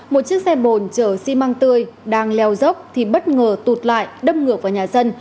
một chiếc xe bồn chở xi măng tươi đang leo dốc thì bất ngờ tụt lại đâm ngược vào nhà dân